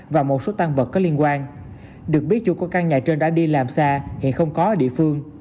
và một số tăng vật có liên quan được biết chủ của căn nhà trên đã đi làm xa hiện không có ở địa phương